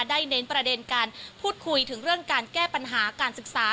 เน้นประเด็นการพูดคุยถึงเรื่องการแก้ปัญหาการศึกษา